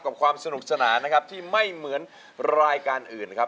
ความสนุกสนานนะครับที่ไม่เหมือนรายการอื่นนะครับ